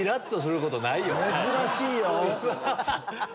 珍しいよ！